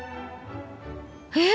えっ！